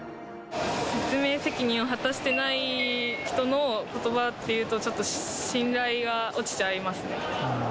説明責任を果たしてない人のことばっていうと、ちょっと信頼が落ちちゃいますね。